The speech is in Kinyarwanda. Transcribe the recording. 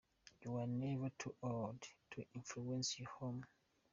You are never too old to influence your home.